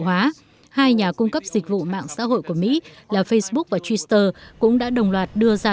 hóa hai nhà cung cấp dịch vụ mạng xã hội của mỹ là facebook và twitter cũng đã đồng loạt đưa ra